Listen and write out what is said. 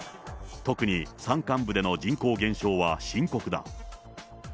特に山間部での人口減少は深刻だ。